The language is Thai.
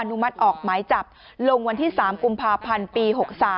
มัติออกหมายจับลงวันที่๓กุมภาพันธ์ปี๖๓